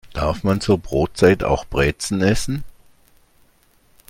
Darf man zur Brotzeit auch Brezen essen?